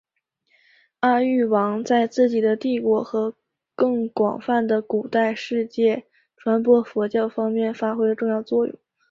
阿育王在自己的帝国和更广泛的古代世界传播佛教方面发挥了重要作用。